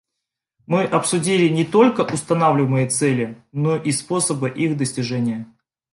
Мы обсудили не только устанавливаемые цели, но и способы их достижения.